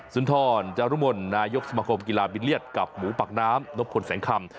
นทรจารุมลนายกสมคมกีฬาบิลเลียสกับหมูปากน้ำนบพลแสงคำ